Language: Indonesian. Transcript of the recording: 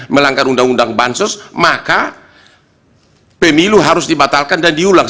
melanggar undang undang bansos maka pemilu harus dibatalkan dan diulang